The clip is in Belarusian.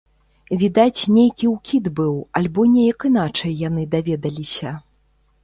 Відаць, нейкі ўкід быў, альбо неяк іначай яны даведаліся.